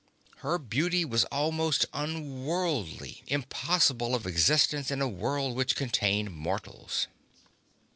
Her beauty was almost unworldly, impossible of existence in a world which contained mortals.